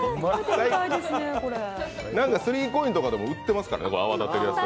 スリーコインとかでも売ってますからね。